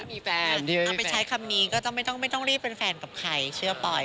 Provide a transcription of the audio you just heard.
เอาไปใช้คำนี้ก็ต้องไม่ต้องรีบเป็นแฟนกับใครเชื่อปอย